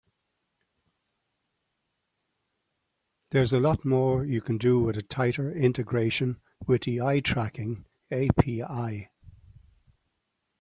There's a lot more you can do with a tighter integration with the eye tracking API.